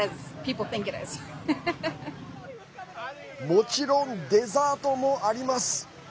もちろん、デザートもあります。